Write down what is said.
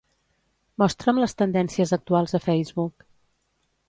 Mostra'm les tendències actuals a Facebook.